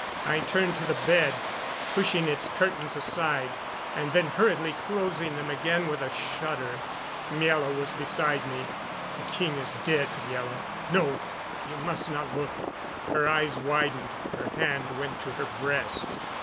I turned to the bed, pushing its curtains aside, and then hurriedly closing them again with a shudder. Miela was beside me. "The king is dead, Miela. No you must not look." Her eyes widened; her hand went to her breast.